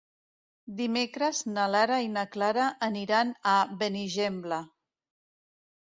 Dimecres na Lara i na Clara aniran a Benigembla.